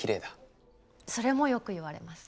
それもよく言われます。